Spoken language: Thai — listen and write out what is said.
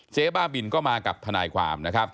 เจ๊บ้าบินก็มากับทนายความ